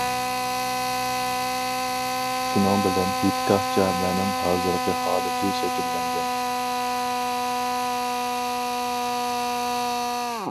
شۇنىڭ بىلەن ھېيتگاھ جامەنىڭ ھازىرقى ھالىتى شەكىللەنگەن.